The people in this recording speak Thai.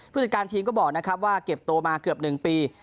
ผู้จัดการทีมก็บอกว่าเก็บโตมาเกือบ๑ปี